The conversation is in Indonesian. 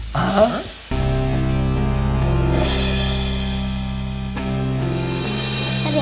tapi aku ya